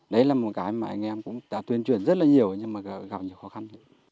đấy là một cái mà anh em cũng đã tuyên truyền rất là nhiều nhưng mà gặp nhiều khó khăn